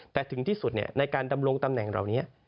แต่ถึงที่สุดในการดำรงตำแหน่งเหล่านี้